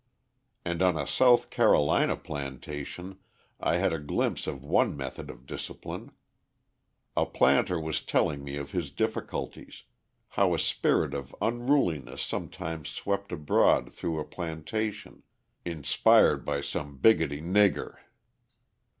And on a South Carolina plantation I had a glimpse of one method of discipline. A planter was telling me of his difficulties how a spirit of unruliness sometimes swept abroad through a plantation, inspired by some "bigoty nigger."